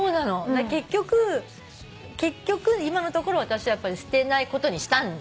だから結局今のところ私は捨てないことにした。